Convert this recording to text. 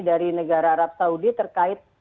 dari negara arab saudi terkait